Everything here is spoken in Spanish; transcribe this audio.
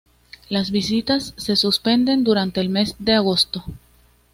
Las visitas se suspenden durante el mes de agosto.